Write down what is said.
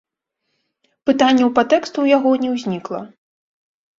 Пытанняў па тэксту ў яго не ўзнікла.